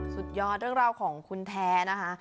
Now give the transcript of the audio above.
สุดยอดเรื่องราวของคุณแท้นะคะ